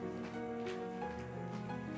dina makan bubuk dulu ya